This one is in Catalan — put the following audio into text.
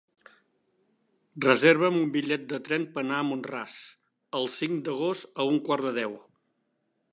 Reserva'm un bitllet de tren per anar a Mont-ras el cinc d'agost a un quart de deu.